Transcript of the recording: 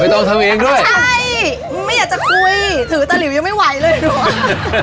ต้องทำเองด้วยใช่ไม่อยากจะคุยถือตะหลิวยังไม่ไหวเลยดูอ่ะ